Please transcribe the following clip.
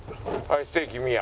はいステーキ宮。